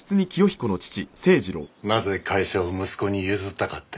なぜ会社を息子に譲ったかって？